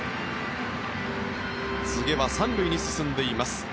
柘植は３塁に進んでいます。